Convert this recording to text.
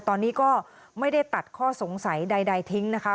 ตอนนี้ก็ไม่ได้ตัดข้อสงสัยใดทิ้งนะคะ